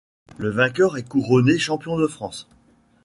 Le vainqueur est couronné champion de France.